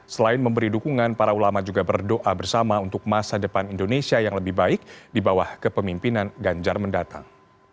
selain memberi dukungan para ulama juga berdoa bersama untuk masa depan indonesia yang lebih baik di bawah kepemimpinan ganjar mendatang